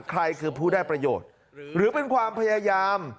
ใครคือผู้ได้ประโยชน์หรือเป็นความพยายาม